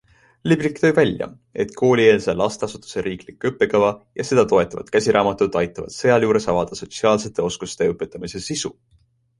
Liblik tõi välja, et koolieelse lasteasutuse riiklik õppekava ja seda toetavad käsiraamatud aitavad sealjuures avada sotsiaalsete oskuste õpetamise sisu.